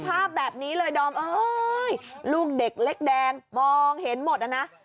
ภาพแบบนี้เลยดอมเอ้ยลูกเด็กเล็กแดงมองเห็นหมดนะ